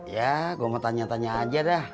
ya gue mau tanya tanya aja dah